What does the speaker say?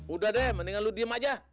udah deh mendingan lu diem aja